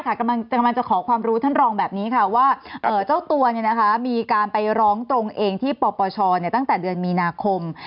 กำลังจะขอความรู้ท่านรองแบบนี้ค่ะว่าเจ้าตัวมีการไปร้องตรงเองที่ปปชตั้งแต่เดือนมีนาคม